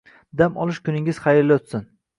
Dam olish kuningiz xayrli o'tsin.